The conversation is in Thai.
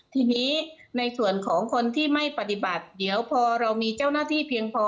ทีนี้ในส่วนของคนที่ไม่ปฏิบัติเดี๋ยวพอเรามีเจ้าหน้าที่เพียงพอ